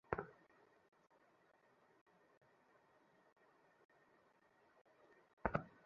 তাকেই পুরুষ নানা রঙে রাঙিয়েছে, নানা সাজে সাজিয়েছে, নানা নামে পুজো দিয়েছে।